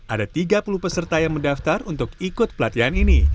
ada tiga puluh peserta yang mendaftar untuk ikut pelatihan ini